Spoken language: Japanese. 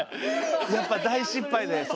やっぱ大失敗でそう。